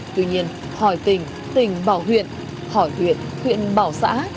tuy nhiên hỏi tình tỉnh bảo huyện hỏi huyện huyện bảo xã